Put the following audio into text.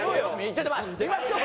ちょっと見ましょう。